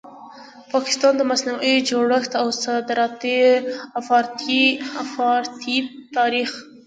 پاکستان؛ د مصنوعي جوړښت او صادراتي افراطیت تاریخ